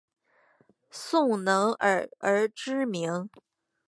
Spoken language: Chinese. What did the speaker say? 宋能尔而知名。